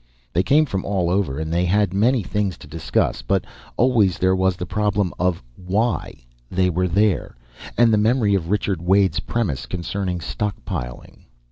They came from all over, and they had many things to discuss, but always there was the problem of why they were there and the memory of Richard Wade's premise concerning stockpiling.